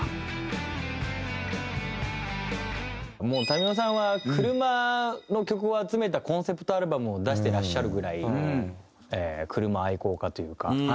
もう民生さんは車の曲を集めたコンセプトアルバムを出していらっしゃるぐらい車愛好家というか。